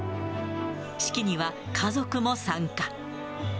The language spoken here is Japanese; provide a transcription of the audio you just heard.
式には家族も参加。